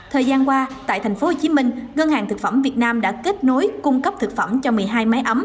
thời gian qua tại tp hcm ngân hàng thực phẩm việt nam đã kết nối cung cấp thực phẩm cho một mươi hai máy ấm